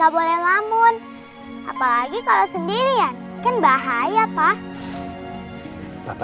terima kasih mak